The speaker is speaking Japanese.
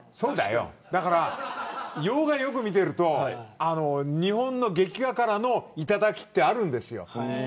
洋画をよく見ていると日本の劇画からの頂きってあるんです。